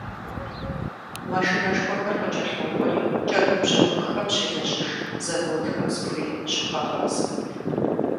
Машинэшхуэхэр къыкӏэлъокӏуэри, кӏэрыхубжьэрыхухэм щелэжьыж заводхэм зыхуей щыхуагъазэ.